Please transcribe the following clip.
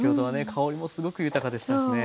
香りもすごく豊かでしたしね。